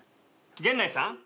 源内さん。